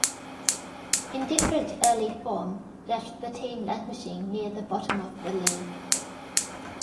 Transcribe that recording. Indifferent early form left the team languishing near the bottom of the league.